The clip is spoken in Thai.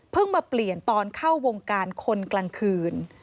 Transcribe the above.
มาเปลี่ยนตอนเข้าวงการคนกลางคืน